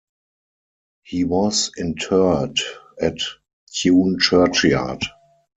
He was interred at Tune churchyard.